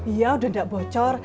iya udah nggak bocor